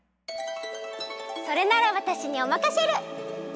それならわたしにおまかシェル！